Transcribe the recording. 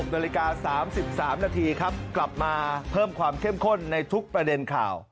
นาฬิกา๓๓นาทีครับกลับมาเพิ่มความเข้มข้นในทุกประเด็นข่าว